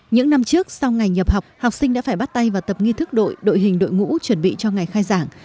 những năm trước sau ngày nhập học học sinh đã phải bắt tay vào tập nghi thức đội hình đội ngũ chuẩn bị cho ngày khai giảng